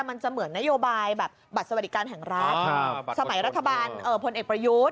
มันจะเหมือนนโยบายแบบบัตรสวัสดิการแห่งรัฐสมัยรัฐบาลพลเอกประยุทธ์